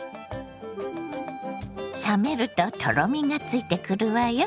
冷めるととろみがついてくるわよ。